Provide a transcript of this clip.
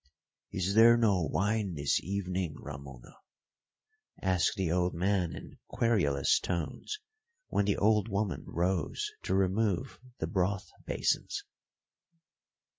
"Is there no wine this evening, Ramona?" asked the old man in querulous tones when the old woman rose to remove the broth basins.